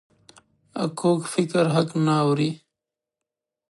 کوږ فکر حق نه اوري